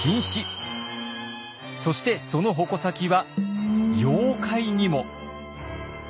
そしてその矛先は妖怪にも。